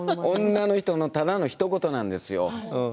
女の人のただのひと言なんですよ。